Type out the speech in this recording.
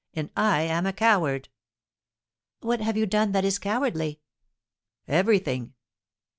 and I am a coward." "What have you done that is cowardly?" "Everything."